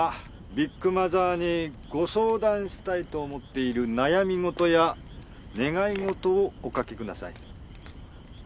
ビッグマザーにご相談したいと思っている悩み事や願い事をお書きください。